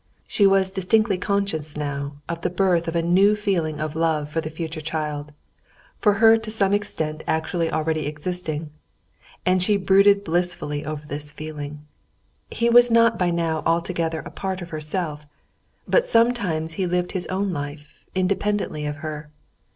She was distinctly conscious now of the birth of a new feeling of love for the future child, for her to some extent actually existing already, and she brooded blissfully over this feeling. He was not by now altogether a part of herself, but sometimes lived his own life independently of her.